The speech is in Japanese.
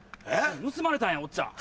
盗まれたんやおっちゃん。